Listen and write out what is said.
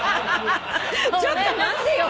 ちょっと待ってよ。